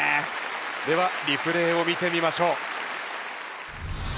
ではリプレーを見てみましょう。